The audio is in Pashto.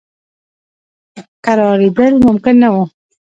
کرارېدل ممکن نه وه.